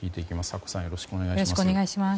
阿古さんよろしくお願いします。